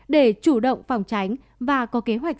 để chủ động phòng tránh và có kế hoạch